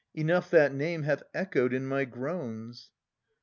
Enough that name hath echoed in my groans.